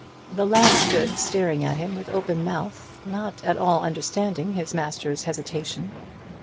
The lad stood staring at him with open mouth, not at all understanding his master's hesitation.